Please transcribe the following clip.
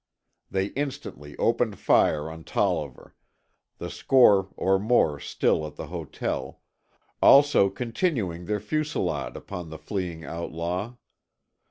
They instantly opened fire on Tolliver, the score or more still at the hotel, also continuing their fusilade upon the fleeing outlaw.